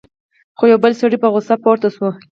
خو یو بل سړی په غصه پورته شو: